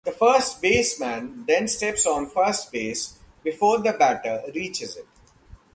The first baseman then steps on first base before the batter reaches it.